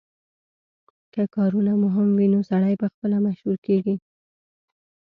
که کارونه مهم وي نو سړی پخپله مشهور کیږي